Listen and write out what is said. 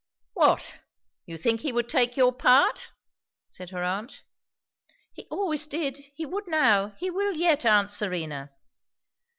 "What, you think he would take your part?" said her aunt. "He always did. He would now. He will yet, aunt Serena."